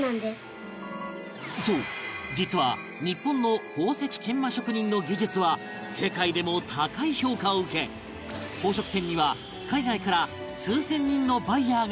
そう実は日本の宝石研磨職人の技術は世界でも高い評価を受け宝飾店には海外から数千人のバイヤーが訪れるほど